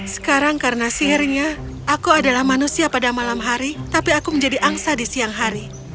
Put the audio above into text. sekarang karena sihirnya aku adalah manusia pada malam hari tapi aku menjadi angsa di siang hari